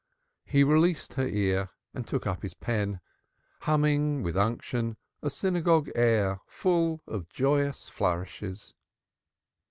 He released her ear and took up his pen, humming with unction a synagogue air full of joyous flourishes.